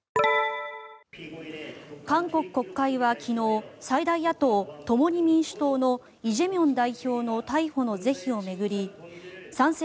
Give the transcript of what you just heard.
韓国国会は昨日最大野党・共に民主党のイ・ジェミョン代表の逮捕の是非を巡り賛成